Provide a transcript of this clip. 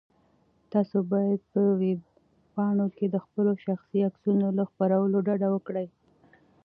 تاسو باید په ویبپاڼو کې د خپلو شخصي عکسونو له خپرولو ډډه وکړئ.